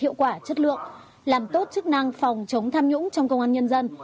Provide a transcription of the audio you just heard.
hiệu quả chất lượng làm tốt chức năng phòng chống tham nhũng trong công an nhân dân